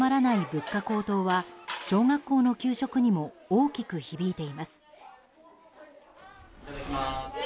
物価高騰は小学校の給食にも大きく響いています。